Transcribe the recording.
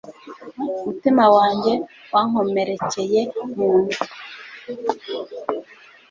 umutima wanjye wankomerekeye mu nda